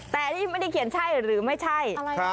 แต่อันนี้ไม่ได้เขียนใช่หรือไม่ใช่